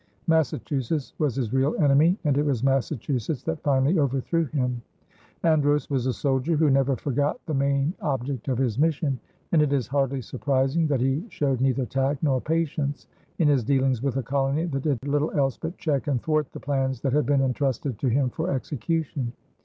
Massachusetts was his real enemy, and it was Massachusetts that finally overthrew him. Andros was a soldier who never forgot the main object of his mission, and it is hardly surprising that he showed neither tact nor patience in his dealings with a colony that did little else but check and thwart the plans that had been entrusted to him for execution.